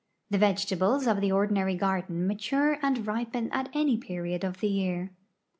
The vegetables of the ordinary garden mature and ripen at any period of the year.